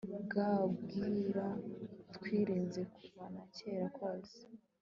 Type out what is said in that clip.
bwa bwira twirinze kuva na kare kose